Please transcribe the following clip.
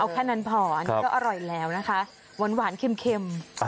เอาแค่นั้นพอครับก็อร่อยแล้วนะคะหวานหวานเข็มเข็มอ้อ